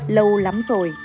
lâu lắm rồi